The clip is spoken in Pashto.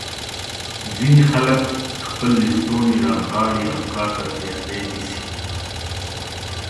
ځینې خلک خپل لستوڼي رانغاړي او کار ته تیاری نیسي.